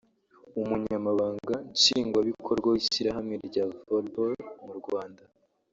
Umunyamabanga Nshingwabikorwa w’Ishyirahamwe rya Volleyball mu Rwanda